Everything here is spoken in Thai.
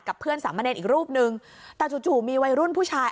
กับเพื่อนสามเมอร์เนรอีกรูปหนึ่งแต่จู่มีวัยรุ่นผู้ชาย